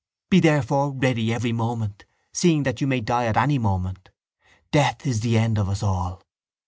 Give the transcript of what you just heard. Be therefore ready every moment, seeing that you may die at any moment. Death is the end of us all.